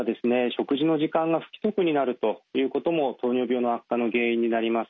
食事の時間が不規則になるということも糖尿病の悪化の原因になります。